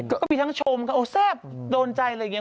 ก็ก็มีช่องชมกับโอ้แทบโดนใจอะไรอย่างนี้